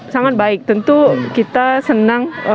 sangat baik tentu kita senang